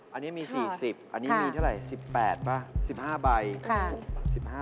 อันนี้มี๔๐อันนี้มีเท่าไหร่๑๘ป่ะ๑๕ใบ